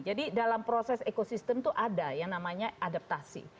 jadi dalam proses ekosistem itu ada yang namanya adaptasi